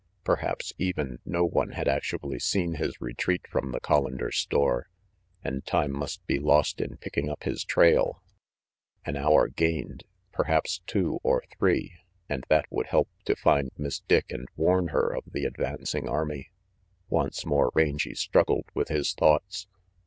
Perhaps even, no one had actually seen his retreat from the Col lander store, and time must be lost in picking up his trail. An hour gained, perhaps two, or three, and that would help to find Miss Dick and warn her of the advancing army. Once more Rangy struggled with his thoughts.